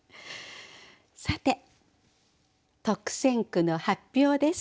さて特選句の発表です。